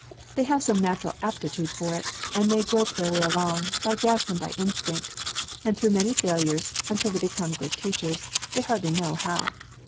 They have some natural aptitude for it, and they grope their way along, by guess and by instinct, and through many failures, until they become good teachers, they hardly know how.